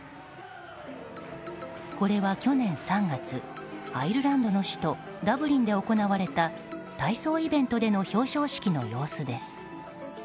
これは去年３月、アイルランドの首都ダブリンで行われた体操イベントでの表彰式の様子です。